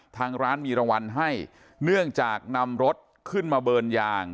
ทางร้านมีรางวัลให้เนื่องจากนำรถขึ้นมาเบิร์นยาง